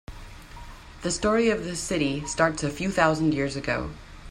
The story of the city starts a few thousand years ago.